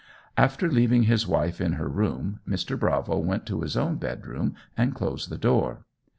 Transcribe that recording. After leaving his wife in her room, Mr. Bravo went to his own bedroom and closed the door.